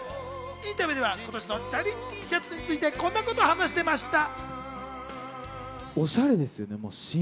インタビューでは今年のチャリＴシャツについてこんなことを話していました。